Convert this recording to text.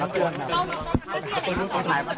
ครับ